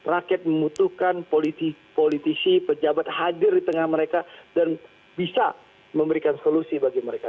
rakyat membutuhkan politisi pejabat hadir di tengah mereka dan bisa memberikan solusi bagi mereka